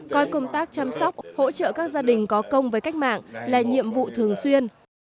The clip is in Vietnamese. coi công tác chăm sóc hỗ trợ các gia đình có công với cách mạng là nhiệm vụ thường xuyên